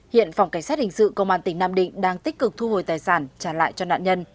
hiện phòng cảnh sát hình sự công an tỉnh nam định đang tích cực thu hồi tài sản trả lại cho nạn nhân